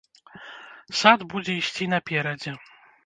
Сад будзе ісці наперадзе!